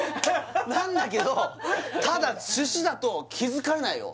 なんだけどただ寿司だと気づかれないよ